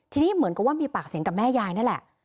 ทีนี้เหมือนกับว่ามีปากเสียงกับแม่ยายนั่นแหละ